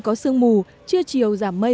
có sương mù trê chiều giảm mây